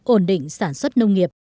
ổn định sản xuất nông nghiệp